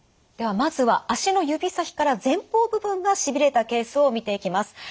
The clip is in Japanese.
ではまずは足の指先から前方部分がしびれたケースを見ていきます。